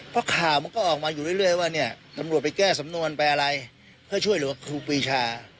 เพราะข่าวมันก็ออกมาอยู่เรื่อยว่าเนี่ยตำรวจไปแก้สำนวนไปอะไรเพื่อช่วยเหลือครูปีชา